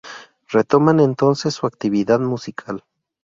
Retoman entonces su actividad musical.